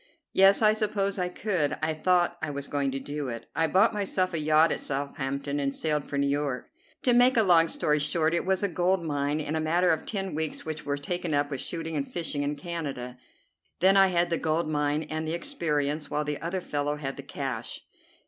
"Yes, I suppose I could. I thought I was going to do it. I bought myself a yacht at Southampton and sailed for New York. To make a long story short, it was a gold mine and a matter of ten weeks which were taken up with shooting and fishing in Canada. Then I had the gold mine and the experience, while the other fellow had the cash.